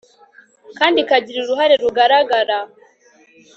kandi ikagira uruhare rugaragara